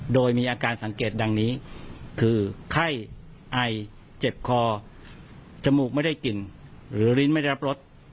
โดยมีอาการสังเกตดังนี้คือไข้ไอเจ็บคอจมูกไม่ได้กลิ่นหรือลิ้นไม่ได้รับรส